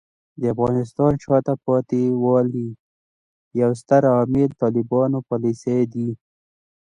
د افغانستان د شاته پاتې والي یو ستر عامل طالبانو پالیسۍ دي.